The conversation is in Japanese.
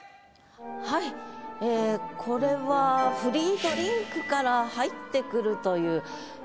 はいこれは「フリードリンク」から入ってくるという。